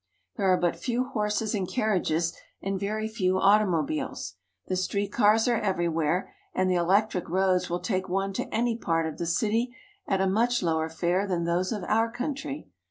There are but few horses and carriages and very few automobiles. The street cars are everywhere, and the electric roads will take one to any part of the city at a much lower fare than those of our country.